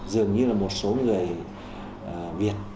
dường như là một số người việt